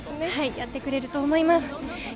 やってくれると思います。